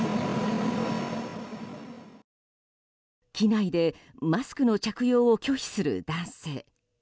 機内でマスクの着用を拒否する男性。